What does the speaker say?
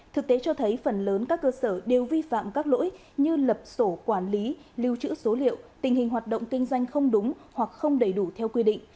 thực tế cho thấy phần lớn các cơ sở đều vi phạm các lỗi như lập sổ quản lý lưu trữ số liệu tình hình hoạt động kinh doanh không đúng hoặc không đầy đủ theo quy định